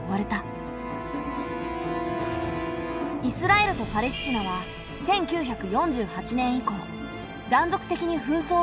イスラエルとパレスチナは１９４８年以降断続的に紛争をくり返している。